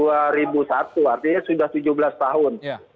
artinya sudah tujuh belas tahun